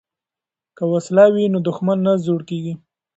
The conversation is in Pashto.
که وسله وي نو دښمن نه زړور کیږي.